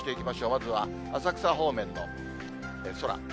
まずは浅草方面の空。